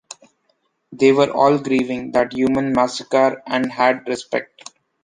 They were all grieving that human massacre, and had respect.